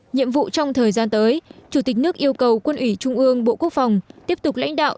nhiệm vụ trong thời gian tới chủ tịch nước yêu cầu quân ủy trung ương bộ quốc phòng tiếp tục lãnh đạo